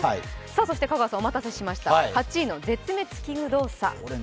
そして香川さん、お待たせしました、８位の絶滅危惧動作。